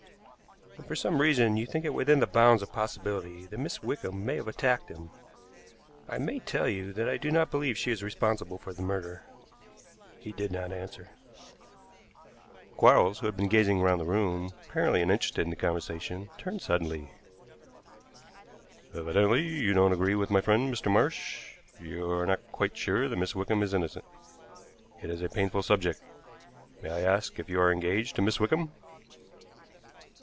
"And for some reason you think it within the bounds of possibility that Miss Wickham may have attacked him. I may tell you that I do not believe she is responsible for the murder." He did not answer. Quarles, who had been gazing round the room, apparently uninterested in the conversation, turned suddenly. "Evidently you don't agree with my friend, Mr. Marsh. You are not quite sure that Miss Wickham is innocent. It is a painful subject. May I ask if you are engaged to Miss Wickham?"